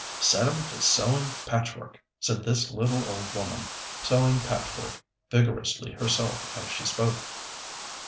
"Set 'em to sewing patchwork," said this little old woman, sewing patchwork vigorously herself as she spoke.